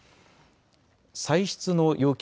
歳出の要求